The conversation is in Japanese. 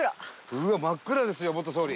真っ暗ですよ元総理。